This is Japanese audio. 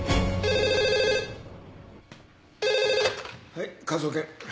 はい科捜研。